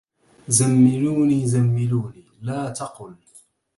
زملوني زملوني لا تقل